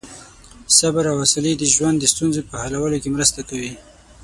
صبر او حوصلې د ژوند د ستونزو په حلولو کې مرسته کوي.